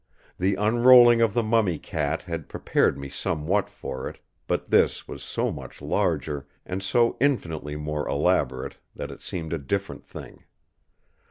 The unrolling of the mummy cat had prepared me somewhat for it; but this was so much larger, and so infinitely more elaborate, that it seemed a different thing.